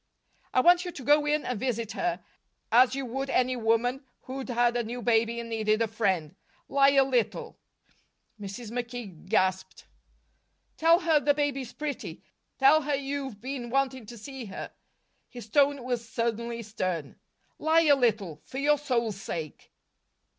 "I want you to go in and visit her, as you would any woman who'd had a new baby and needed a friend. Lie a little " Mrs. McKee gasped. "Tell her the baby's pretty. Tell her you've been wanting to see her." His tone was suddenly stern. "Lie a little, for your soul's sake."